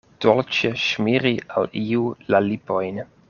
Dolĉe ŝmiri al iu la lipojn.